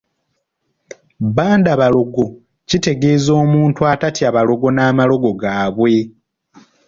Bbandabalogo kitegeeza omuntu atatya balogo n’amalogo gaabwe.